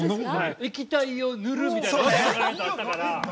液体を塗るみたいな◆